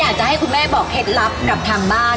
อยากจะให้คุณแม่บอกเหตุลักษณ์กับทางบ้าน